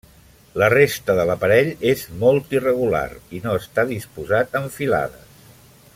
La resta de l'aparell és molt irregular i no està disposat en filades.